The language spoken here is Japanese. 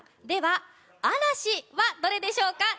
では、あらしはどれでしょうか。